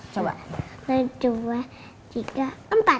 satu dua tiga empat